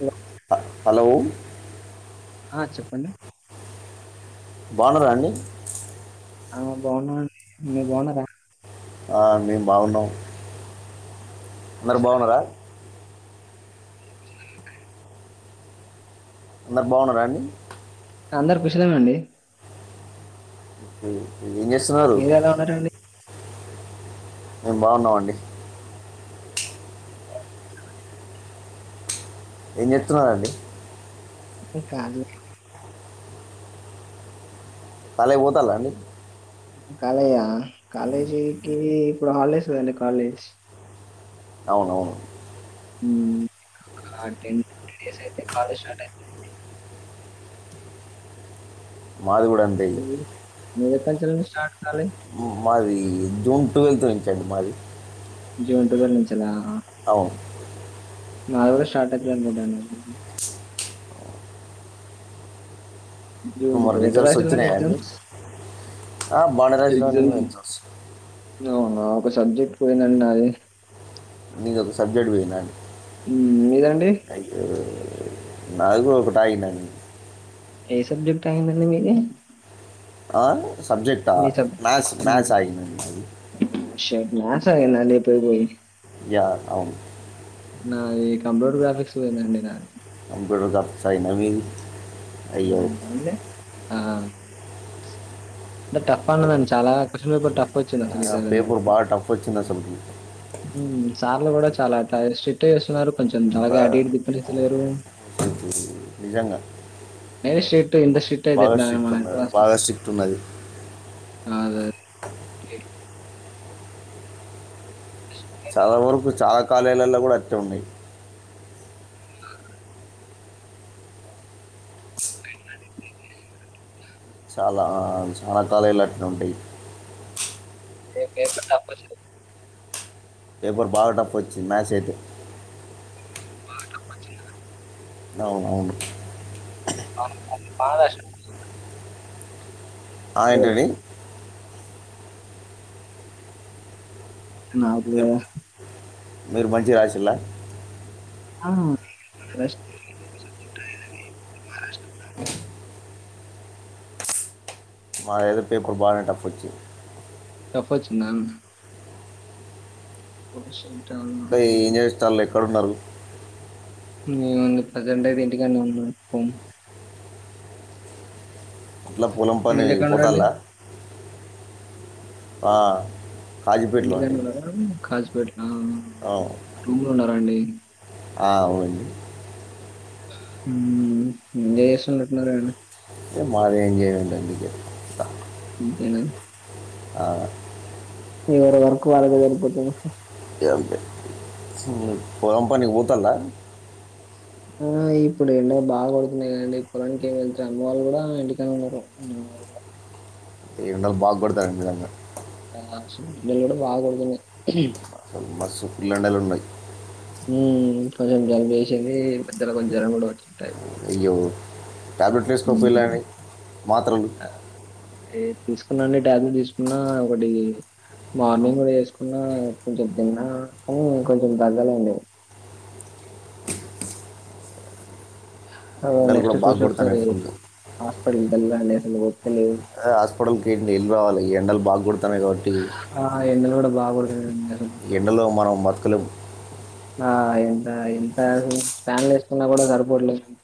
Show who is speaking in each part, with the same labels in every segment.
Speaker 1: అమో
Speaker 2: hello
Speaker 1: ఆ చెప్పండి
Speaker 2: బావున్నరండి
Speaker 1: ఆ బాగున్నా అండీ మీరు బాగున్నా రా
Speaker 2: ఆ మేం బాగున్నాం అందరు బాగున్నారా అందరు బాగున్నారా అండి
Speaker 1: అందరు ఖుషాలమే మండి
Speaker 2: హ ఏం చేస్తున్నారు
Speaker 1: ఉన్నారండి?
Speaker 2: మేం బాగున్నావండి ఇనితున్నాదండి
Speaker 1: ఇ కాదు
Speaker 2: కాలేజ్ పోతారాండి
Speaker 1: కాలేజ కాలేజీకి ఇప్పుడు హాలడేస్ కదండి కాలేజ్
Speaker 2: అవునవును
Speaker 1: టెన్ ట్వంటీ డేస్ అయితే కాలేజ్ స్టార్ట్ అవుతుంది
Speaker 2: మాది కూడా అంతే ఇగా
Speaker 1: మీది ఎప్పటి నుంచి స్టార్ట్ కాలేజ్
Speaker 2: మాది జూన్ ట్వెల్త్ నుంచండి మాది
Speaker 1: జూన్ టువెల్వ్ నుంచెలా
Speaker 2: అవును
Speaker 1: మాది కూడా స్టార్ట్ అయితాదనుకుంటానా జూన్
Speaker 2: మరి
Speaker 1: ఎటు
Speaker 2: రిజల్వస్
Speaker 1: రాశాలండి
Speaker 2: వచ్చినాయాండి
Speaker 1: ఎగ్జామ్స్?
Speaker 2: ఆ బాండరాజ అండి
Speaker 1: ఎగ్జామ్
Speaker 2: మేము చస్తు
Speaker 1: అవునా ఒక సబ్జెక్ట్ పోయినండి నా అది
Speaker 2: నీను ఒక సబ్జెక్ట్ పోయినాను
Speaker 1: ఇదండి
Speaker 2: నాదికు కటయినాని
Speaker 1: ఏ సబ్జెక్ట్ అయిందడి మీది
Speaker 2: ఆ సబ్జెక్ట్
Speaker 1: మీ సబ్
Speaker 2: మాథస్ మాథస్ ఆయింది
Speaker 1: మ్యాక్ సాగిందాండి పోయిపోయి
Speaker 2: యా అవును
Speaker 1: నాది కంప్యూటర్ గ్రాఫిక్స్ పోయిందండి నాది
Speaker 2: అబ రజపు చయినవి
Speaker 1: అంటే ఆ అంటే టఫ్ అన్నదండి చాలా క్వ్న్ పేపర్ టఫ్ వచ్చింది అసలు
Speaker 2: పేపర్ బా టఫ్ వచ్చిందా అసలు
Speaker 1: బ సార్లు కూడా చాలా స్టట్ చేస్తున్నారు కొంచెం తలాగా
Speaker 2: బాగా
Speaker 1: అడిడి తిప్పనిలేరు
Speaker 2: నిజాంగా
Speaker 1: ఎంత షట్ అయితేట్ మన అ మాసం
Speaker 2: బాగా స్ట్రిక్ట్ ఉన్నది
Speaker 1: అ అదే స
Speaker 2: చాలా వరకు చాలా కాలాలలో కూడా అట్టే ఉన్నాయి చాలా చాలా కాలలుట్ ఉంటాయి
Speaker 1: ఏ ఏ పట్టకుచ్చ
Speaker 2: పేపర్ బాగాటప్ప వచ్చింది మ్యాస్ అయితే అవును అవును
Speaker 1: మహారాష్ట్ర
Speaker 2: ఆయంటని
Speaker 1: నాకు
Speaker 2: మీరు మంచి రాసిలా
Speaker 1: ఆ
Speaker 2: మా ఏదో పేప్ బ టఫ్ వచ్చి
Speaker 1: టఫ్ వచ్చిందన్ అశంత
Speaker 2: కా ఇంకా ఎం చేస్తా లే ఎక్కడ ఉన్నారు
Speaker 1: ఏముంది ప్రెసెంట్ అయితే ఇంటికి [unintelligible]
Speaker 2: అట్లా పొలం పని
Speaker 1: మీరెక్కడ ఉన్నారండి
Speaker 2: పోతాల్లా ఆ
Speaker 1: ఇంటిగా [unintelligible] రస్
Speaker 2: అవు
Speaker 1: ండి
Speaker 2: ఆ అవును
Speaker 1: మ్ నిస్ పెట్టినారండి
Speaker 2: మా బావ ఏం చేస్తున్నాడు
Speaker 1: తిను
Speaker 2: అవు
Speaker 1: ఎవరి వర్క్ వాళ్ళకే సరిపోతుంది
Speaker 2: పొలం పనికి పోతాందా
Speaker 1: ఆ ఇప్పుడు ఎండ బాగా పడుతున్నాయి కదండి పొలానికి ఏం వెళ్తారు అమ్మ వాళ్ళు కూడా ఇంటికనే ఉన్నారు నాన్న
Speaker 2: ఈ రెండలు బాగపడితే అది మేలు కదా
Speaker 1: [unintelligible]
Speaker 2: బస్సు ఫ్రీ గండలు ఉన్నాయి
Speaker 1: కొంచెం జలుబు చేసింది మధ్యలో కొంచం జ్వరం కూడా వచ్చిన ట
Speaker 2: అయ్యో టాబ్లెట్లు వేసుకోపోయిల్లండి మాత్రలు
Speaker 1: తీసుకున్నాండి టాబ్లెట్ తీసుకున్నా ఒకటి మార్నింగ్ కూడా వేసుకున్నా కొంచెం తిన్నా కా ఇంకొంచెం తగ్గాలండి ఆ
Speaker 2: ఎండలు
Speaker 1: నెక్స్ట్
Speaker 2: కూడా బాగా
Speaker 1: చూసి
Speaker 2: కొడుతున్నాయి
Speaker 1: ఒకసారి
Speaker 2: ఫుల్
Speaker 1: హాస్పటల్ ఎల్లండి స్లో
Speaker 2: హాస్పిటల్ కిడ్నీల్ కూడా వాళ్ళియర్ ఎండలు బాగోడ్
Speaker 1: ఆ ఎండలు కూడా బాగుతున్
Speaker 2: ఈ ఎండలో మనం బత్ కలేం
Speaker 1: ఆ ఎంత ఎంత ఫ్యాన్లు ఎస్కున్న కూడా సరిపోవట్లేదు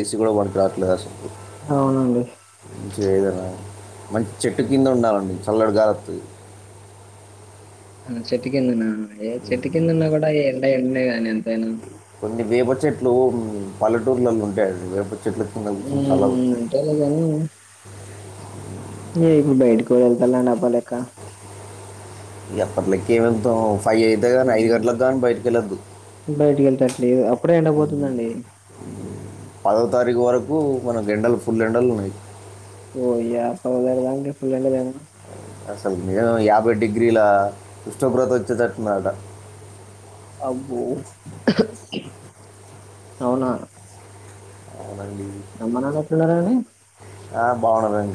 Speaker 2: ఏసి కూడా పనికిరావట్లేదసలు
Speaker 1: అవునండి
Speaker 2: ఏదైనా మంచి చెట్టు కింద ఉండాలండి చల్లటి గాలోత్తది
Speaker 1: ఆ చెట్టు కిందన ఏ చెట్టు కిందున్నా కూడా ఈ ఎండ ఎండేగా ఎంతైనా
Speaker 2: అ వేప చెట్లు పల్లెటూర్లలో ఉంటాయండి వేప చె
Speaker 1: మ్మ్ మ్మ్ ఉంటాదిలే గానీ మేం బయటకు ఏళ్తలండి అప్పటిలెక్క
Speaker 2: అప్పట్లక్క ఏమెళ్తావు ఫైవ్ అయితే గాని ఐదు
Speaker 1: హ్మ్.
Speaker 2: గంటలదాక బయటికెల్లను
Speaker 1: లేదు అప్పుడే ఎండపోతుందండి
Speaker 2: పదో తారీఖు వరకు మనకు ఎండలు ఫుల్ ఎండలు ఉన్నాయి
Speaker 1: ఓ యా పదో తారీఖు వరకు మీకు ఫుల్ ఎండలేనా
Speaker 2: అసలు మేం యాభై డిగ్రీల ఉష్ణోగ్రత వచ్చేటట్టు ఉందట
Speaker 1: అబ్బో అవునా
Speaker 2: అవునండి
Speaker 1: అమ్మ నాన్న ఎట్లున్నరండి
Speaker 2: ఆ బాగున్నారండి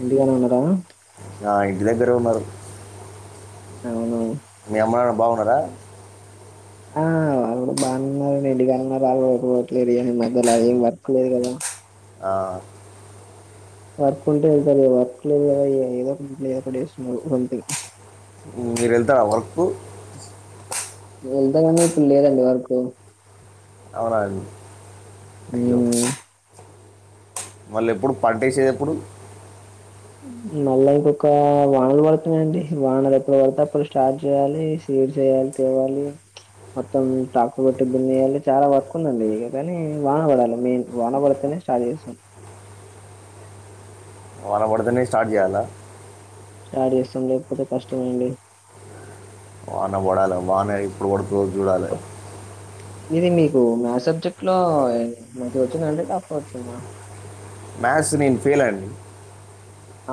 Speaker 1: ఇంటికాడ ఉన్నారా
Speaker 2: ఆ ఇంటి దగ్గరే ఉన్నారు
Speaker 1: అవునువు
Speaker 2: మీ అమ్మ నాన్న బాగున్నారా
Speaker 1: ఆ వాళ్ళు కూడా బాగుంన్నారు ఎడిగాన్నారులేదు మధ్యలో ఏం వర్క్ లేదు కదా
Speaker 2: ఆ
Speaker 1: వర్క్ ఉంటే ఏళ్తరు వర్క్ లేదు కదా ఏదో ఒకటిదో ఒకటి వస్తున్నారు ఒకంత
Speaker 2: మీరు వెళ్తరా వర్కు
Speaker 1: వెళ్దాగానీ ఇప్పుడు లేదండి వర్కు
Speaker 2: అవునండి అయ్యో
Speaker 1: మ్మ్
Speaker 2: మళ్ళీ ఎప్పుడు పంటేసేదేప్పుడు
Speaker 1: మళ్ళా ఇంకొక వానలు పడుతున్నాయిండి వానలు ఎప్పుడు పడితే అప్పుడు స్టార్ట్ చేయాలి సీడ్స్ చేయాలి తేవాలి మొత్తం ట్రాక్టర్లు పెట్టి దిన్నేయాలి చాలా వర్క్ ఉందండి ఇ కాని వాన పడాలి మెయిన్ వాన పడితేనే స్టార్ట్ చేస్తాం
Speaker 2: అల పడుతేనే స్టార్ట్ చేయాలా
Speaker 1: స్టార్ట్ చేస్తాం లేకపోతే కష్టమ అండి
Speaker 2: బాన పడాలి బానే ఇప్పుడు పడుతు చూడాలి
Speaker 1: ఇది మీకు మ్యాథ్ సబ్జెక్ట్ లో మంచిగా వచ్చిందంటే తకవచ్చుంద
Speaker 2: మ్యాథ్స్ నేను ఫెయిల్ అండి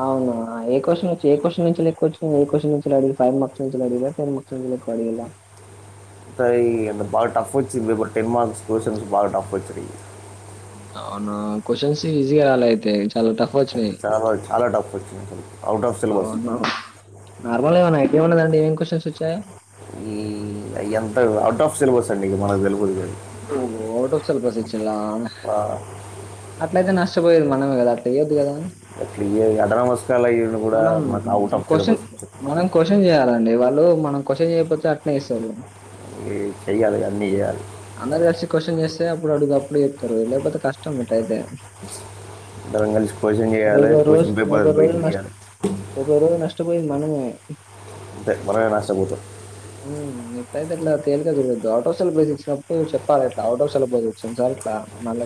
Speaker 1: అవునా ఏ క్వశ్చ వచ్చి ఏ క్వశ్చన్ నుంచి ఎక్కువచ్చు నే ఏ క్వ్చన్ నుంచి అడి ఫైవ్ మార్క్స్ నుంచి అడిగ టెన్ మార్క్స్ నుంచికు అడిగలా
Speaker 2: స అంత బాగా టఫ్ వచ్చేపు టెన్ మార్క్స్ బాగా టఫ్ వచ్చ
Speaker 1: అవునా క్వశ్చన్స్ ఈజీగా రాలా అయితే చాలా టఫ్ వచ్చినయి.
Speaker 2: చాలా చాలా డప్పు అ ఆవుట్ ఆఫ్ సిలేబస్
Speaker 1: నార్మల్ ఏమైన్నా ఐటీ ఉన్నదండి ఏమి క్వశ్చన్స్ వచ్చాయా
Speaker 2: ఈ ఎంత అవుట్ ఆఫ్ సిలబస్ అండి ఇ మనకు తెలుగుంది అ
Speaker 1: స్వల్ప శచ్చల్
Speaker 2: ఆ
Speaker 1: అట్ల అయితే నష్టపోయేది మనమే కదా అట్ ఇయద్దు కదా మని
Speaker 2: అట్లా అద నమస్కలు అయ కూడా మనకు అవుట్ ఆఫ్
Speaker 1: క్వెషన్
Speaker 2: బస్ చె
Speaker 1: మనం క్వెషన్ చేయాలండి. వాళ్ళు మనం క్వశ్చన్ చేయకపోతే అట్నే ఇస్తారు
Speaker 2: చేయాలి అన్నీ చేయాలి
Speaker 1: అందరు కలిసి క్వశ్చన్ చేస్తే అప్పుడు అడుగు అప్పుడు చెప్తారు లేకపోతే కష్టం బట అయితే
Speaker 2: ఇంగలిసి కోశం చేయాలి కోశం
Speaker 1: రోజు
Speaker 2: పేపర్పయించాలి
Speaker 1: కపోయింద ను
Speaker 2: అంటే మనమే నష్టపోతుం
Speaker 1: ఇట్ల అయితే ఇట్లా తేలికగారయద్దు ఆటోసల్జ ఇచ్చినప్పుడు చెప్పాలి అట్లా ఆటో సెల్ బస్ వచ్చింది సార్ అట్లా మళ్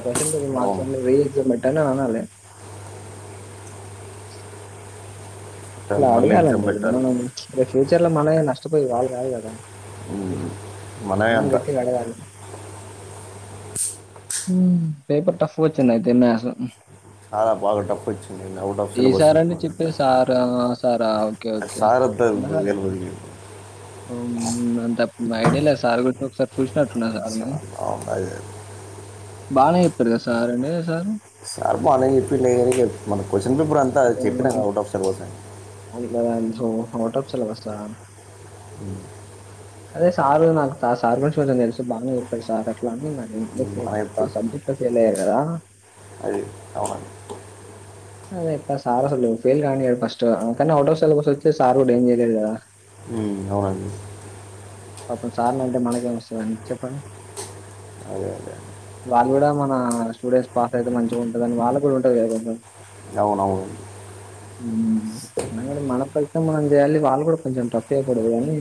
Speaker 1: మార్
Speaker 2: అవును
Speaker 1: అనాలి
Speaker 2: పెట్టాలి,
Speaker 1: అట్లా
Speaker 2: మళ్ళీ ఎగ్జామ్
Speaker 1: అడగాలండి
Speaker 2: పెట్టాలి
Speaker 1: మనం ర ఫ్యూచర్ లో మన నష్టపోయి వాళ్ళు కాలి కదా
Speaker 2: ఉమ్, మనమే
Speaker 1: మనం
Speaker 2: అంత
Speaker 1: గట్టి అడగాలి పేపర్ టఫ్ వచ్చింది అయితే మ్యాథ్స్
Speaker 2: చాలా బాగా టఫ వచ్చింది out of
Speaker 1: A
Speaker 2: syllabus
Speaker 1: sir అండి
Speaker 2: తీసు
Speaker 1: చెప్పేది? సారా? సారా ఓకే ఓకే అన్న సే
Speaker 2: తెలియదు
Speaker 1: అంత ఐడియా లేదు సార్ గురించి ఒకసారి చూసినట్టున్నా సార్ని
Speaker 2: ఆన్నా
Speaker 1: బానే చెప్పారు కదా సార్ అండి సార్
Speaker 2: సార్ బానే చెప్పి లే మన క్వశ్చన్ పేపర్ అంతా చెప్పినాక అవుట్ ఆఫ్షన్ కోసం
Speaker 1: అట్ అందు హటప్ సెలవా సార్ అదే సార్ నాకు సార్ గు కొంచెం తెలుసు బాగానే చెప్పాడు సార్ అట్లా అంటన్నారు ఇం
Speaker 2: మన ఎప్పుడు
Speaker 1: సబ్జెక్ట్ ఫేయిలయ్యారు
Speaker 2: అది అవునండి
Speaker 1: అదే ఎట్లా సారా ఫెల్ కా కానీ ఆటో సస్ వచ్చ స డేంజర్ చే
Speaker 2: ఉమ్, అవునండి
Speaker 1: పాపం సార్లు అంటే మనకేం వస్తుందిని చెప్పండి
Speaker 2: అదే అదే
Speaker 1: వాళ్ళు కూడా మన స్టూడెంట్స్ పాస్ అయితే మంచిగా ఉంటదని వాళ్ళ కూడా ఉంటది కొం
Speaker 2: అవునవును
Speaker 1: హ్మ్ మనం కూడ మన ప్రయత్నం చేయాలి వాళ్ళు కూడా కొంచెం టఫ్ ఇయకూడదు కానీ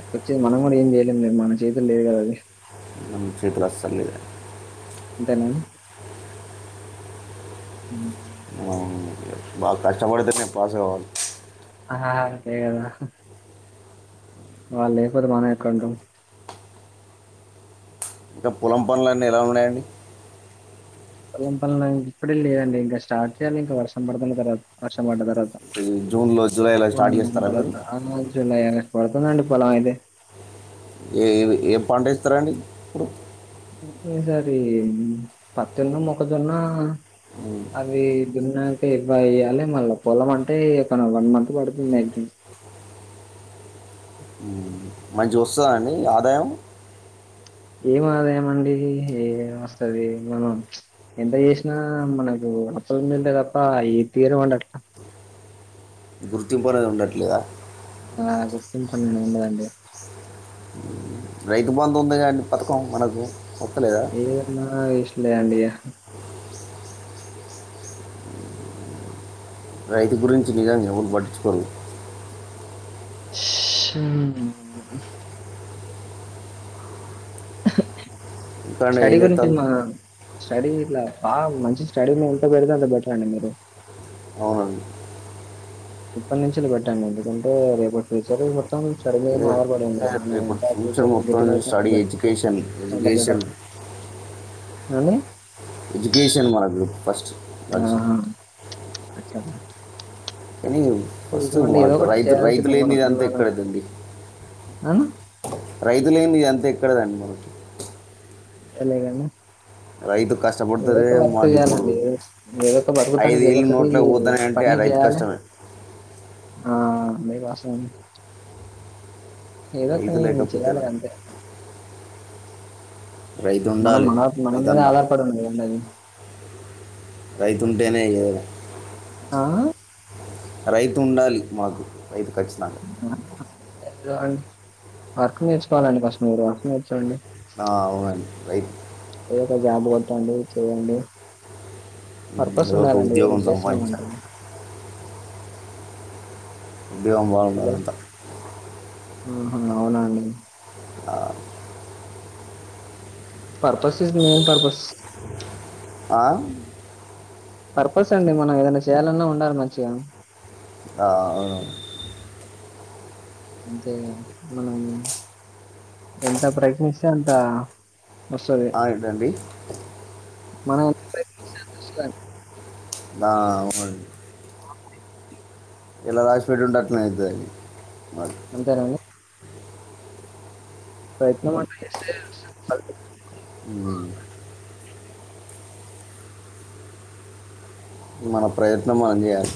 Speaker 1: య్ చి మనం కూడా ఏం చేయలే ని మన చేదులేదు కదా అది
Speaker 2: స్లిప్పులు అస్సలేవు
Speaker 1: [unintelligible] హ్మ్
Speaker 2: బాగ కష్ట పతేనే పాస్ కావాలి
Speaker 1: ఆహా ప్రేరణ వాళ్లు లేకపోతే మనమేక్కడ ఉంటాం
Speaker 2: ఇంకా పొలం పనులు అన్నీ ఎలా ఉన్నాయండి
Speaker 1: పొలం పనులు ఇప్పుడే లేదండి ఇంకా స్టార్ట్ చేయాలి ఇంకా వర్షం పడుతతుంది కదా వర్షం పడ్డ తర్వాత
Speaker 2: జూన్లో జులైలో స్టార్ట్ చేస్తారా మీరు
Speaker 1: పడుతుంది అండి పొలం అయితే
Speaker 2: ఏ ఏవీ ఏ పంటస్తారు అండి ఇప్పుడు
Speaker 1: ఈ సరి పత్తి ను మొక్కజొన్న అవి దున్నాక ఇవ్వ అ్యాలి మళ్ళా పొల అంటే ఒక వన్ మంత్ పడుతుంది అక్చుఅల్లీ
Speaker 2: మంచిగా వస్తుందండి ఆదాయం
Speaker 1: ఏం ఆదాయంమండి ఏ వస్తుది మనం ఎంత చేసినా మనకు అప్పల పెంట తప్ప ఏ తీరమండి అట్లా
Speaker 2: గుర్తింపు అనేది ఉండట్లేదా
Speaker 1: ఆ గుర్తింపు అనేది ఉండదండి
Speaker 2: రైతు బంధు ఉందిగా కాండి పథకం మనకు వస్తలేదా
Speaker 1: ఏదైనా ఇష్ట లేయఅండీ
Speaker 2: రైతు గురించి నిజాంగా ఎవరు పట్టించుకోరు
Speaker 1: ఉష హు ఉ [unintelligible]
Speaker 2: ఇంకా ఏం
Speaker 1: స్టడీ గురించి
Speaker 2: చేస్తారు
Speaker 1: మా స్టడీ ఇలా బా మంచి స్టడీ ఎంతో పెడితే అంత బెటర్ అండి మీరు
Speaker 2: అవునండి
Speaker 1: ఇప్పటి నుంచి ఇది పెట్టండి ఎందుకంటే రేపు ఫ్యూచర్ మొత్తం స్టడీ మీదనే
Speaker 2: ఏ-
Speaker 1: ఆధారపడిడి ఉంటుంది
Speaker 2: ఏ-
Speaker 1: మనం
Speaker 2: ఇప్పుడు ఫ్యూచర్ మొత్తం
Speaker 1: గెటిన్ అయితే అంత
Speaker 2: స్టడీ
Speaker 1: బె
Speaker 2: ఎడ్యుకేషన్ ఎడ్యుకేషన్
Speaker 1: ఉ
Speaker 2: ఎడ్యుకేషన్ మనకు ఫస్ట్
Speaker 1: ఆహా [unintelligible]
Speaker 2: ఉ ఫస్ట్
Speaker 1: ఇదిగోండి ఏదో
Speaker 2: మాకు
Speaker 1: ఒకటి
Speaker 2: రైతు
Speaker 1: చేయాల్సిందే
Speaker 2: రైతులేనిది అంతా
Speaker 1: అనుకుంటున్నాను.
Speaker 2: ఇక్కడదండి
Speaker 1: ఆ
Speaker 2: రైతులేనిధి ఇద అంతా ఎక్కడదండి మనాకి
Speaker 1: తెలగాన
Speaker 2: రైతు కష్టపడుతారే మాకు ఇప్పుడు
Speaker 1: ఏదో ఏదో ఒక బతుకుతానికి ఏదో
Speaker 2: ఐదేళ్ళ
Speaker 1: ఒకటి
Speaker 2: నోట్లో పోతన్నాయి అంటే ఆ
Speaker 1: పని
Speaker 2: రైతు
Speaker 1: చేయాలి.
Speaker 2: కష్టమే
Speaker 1: ఆ మీ వర్షం ఏదో ఒక
Speaker 2: రైతు
Speaker 1: నే
Speaker 2: లేకపోతే
Speaker 1: చేయ్యాలి
Speaker 2: ఎలా?
Speaker 1: అంతే
Speaker 2: రైతు
Speaker 1: మనం
Speaker 2: ఉండాలి
Speaker 1: మన మనం మీద
Speaker 2: రైతన్న
Speaker 1: ఆధారపడి ఉన్నదండి అది
Speaker 2: రైతుంటేనే ఏదైన
Speaker 1: ఆ
Speaker 2: రైతు ఉండాలి మాకు ఇది కచ్చితంగా
Speaker 1: ఆ, ఏదో అండి వర్క్ నేర్చుకోవాలండి ఫస్ట్ మీరు వర్క్ నేర్చుండి
Speaker 2: ఆ అవునండి రైట్
Speaker 1: జబ కొట్టండి చేయండి
Speaker 2: ఉమ్,
Speaker 1: పర్పస్
Speaker 2: ఏదో ఒక
Speaker 1: ఉండాలండి ఏదైన
Speaker 2: ఉద్యోగం
Speaker 1: చేస్తున్నమ్
Speaker 2: సంపాదించాలి
Speaker 1: అంట
Speaker 2: ఉద్యోగం బాగుండంల
Speaker 1: హలో
Speaker 2: అంతా
Speaker 1: ఆహా అవునండి purpose is the main purpose
Speaker 2: ఆ
Speaker 1: పర్పస్ అండి మనం ఏదైనా చేయాలన్నా ఉండాలి మంచిగా
Speaker 2: ఆ, అవునవును.
Speaker 1: అంతే అండి మనం ఎంత ప్రయత్నిస్తే అంత వస్తది
Speaker 2: ఆ ఇదండి
Speaker 1: మనం
Speaker 2: ఆ అవునండి ఎలా రాసిపెట్టుంటే అట్లనే అయితదండి
Speaker 1: అంతారండి ప్రయత్నం
Speaker 2: ఉమ్, మన ప్రయత్నం మనం చేయాలి